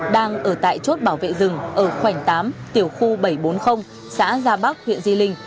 đang ở tại chốt bảo vệ rừng ở khoảnh tám tiểu khu bảy trăm bốn mươi xã gia bắc huyện di linh